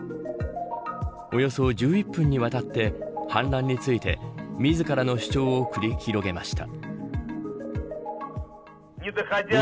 およそ１１分にわたって反乱について自らの主張を繰り広げました。